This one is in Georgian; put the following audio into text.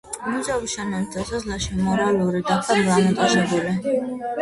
მუზეუმის შენობის შესასვლელში მემორიალური დაფა დამონტაჟებული.